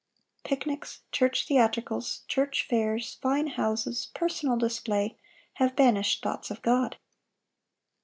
Picnics, church theatricals, church fairs, fine houses, personal display, have banished thoughts of God.